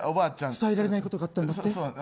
伝えられないことがあったんだって？